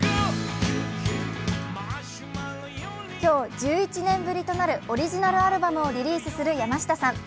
今日、１１年ぶりとなるオリジナルアルバムをリリースする山下さん。